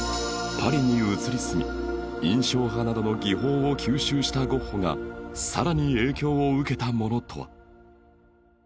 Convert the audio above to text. パリに移り住み印象派などの技法を吸収したゴッホがさらに影響を受けたものとは？